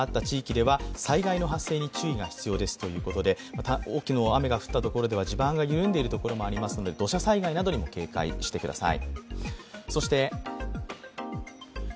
また多くの雨が降ったところでは地盤が緩んでいるところもありますので土砂災害などにも警戒してください。